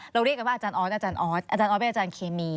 เราเรียกกันว่าอาจารย์ออสอาจารย์ออสเป็นอาจารย์เคมี